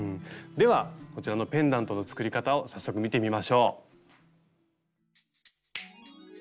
ではこちらのペンダントの作り方を早速見てみましょう。